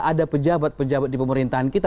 ada pejabat pejabat di pemerintahan kita